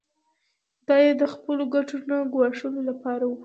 دا یې د خپلو ګټو نه ګواښلو لپاره و.